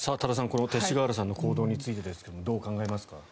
この勅使河原さんの行動についてですがどう考えますか？